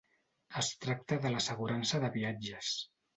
Es tracta de l'assegurança de viatges.